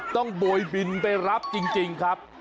โบยบินไปรับจริงครับ